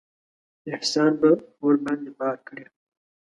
احسان به ورباندې بار کړي.